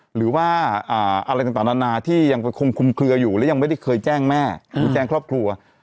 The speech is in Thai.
หรือว่าอะไรต่างนานาที่ยังคงคุมเคลืออยู่และยังไม่ได้เคยแจ้งแม่หรือแจ้งครอบครัว